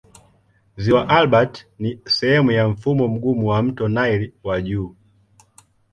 Ziwa Albert ni sehemu ya mfumo mgumu wa mto Nile wa juu.